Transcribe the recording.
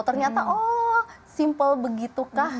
ternyata oh simple begitukah